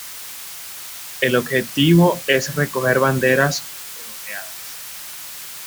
El objetivo es recoger banderas coloreadas.